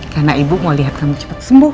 karena ibu mau lihat kamu cepet sembuh